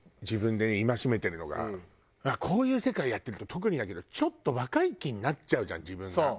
自分で戒めてるのがこういう世界やってると特にだけどちょっと若い気になっちゃうじゃん自分が。